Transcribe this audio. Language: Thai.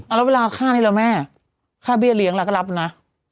แล้วเวลาค่าเลยแม่ค่าเบี้ยเลี้ยงละก็รับนะ